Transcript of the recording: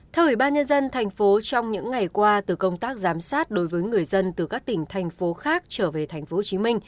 theo ubnd tp hcm trong những ngày qua từ công tác giám sát đối với người dân từ các tỉnh thành phố khác trở về tp hcm